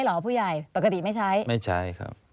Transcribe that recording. หรอผู้ใหญ่ปกติไม่ใช้